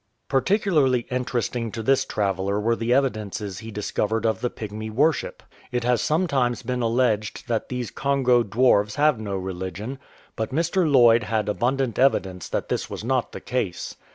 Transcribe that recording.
Particularly interesting to this traveller were the evi dences he discovered of the Pygmy worship. It has some times been alleged that these Congo dwarfs have no religion ; but Mr. Lloyd had abundant evidence that this was not the case.